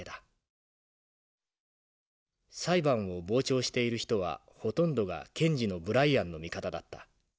裁判を傍聴している人はほとんどが検事のブライアンの味方だった。